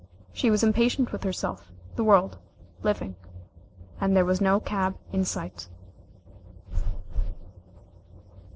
She was impatient with herself, the world, living, and there was no cab in sight.